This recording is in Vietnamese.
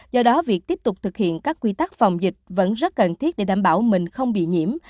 do đó việc tiếp tục thực hiện các quy tắc phòng dịch vẫn rất cần thiết để đảm bảo mình không bị nhiễm